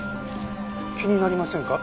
気になりませんか？